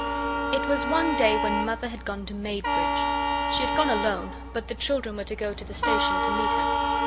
It was one day when Mother had gone to Maidbridge. She had gone alone, but the children were to go to the station to meet her.